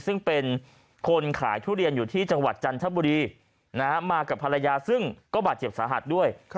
ซึ่งเป็นคนขายทุเรียนอยู่ที่จังหวัดจันทบุรีมากับภรรยาซึ่งก็บาดเจ็บสาหัสด้วย